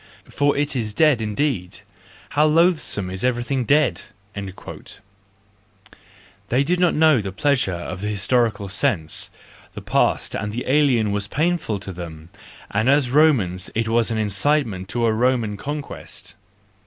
for it is dead indeed : how loathsome is everything dead !' —They did not know the pleasure of the historical sense; the past and the alien was painful to them, and as Romans it was an incitement to a Roman conquest.